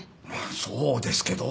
そうですけど。